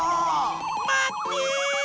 まって！